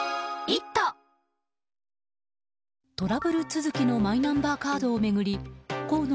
トラブル続きのマイナンバーカードを巡り河野